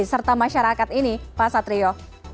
serta masyarakat ini pak satrio